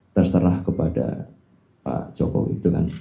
terserah kepada pak jokowi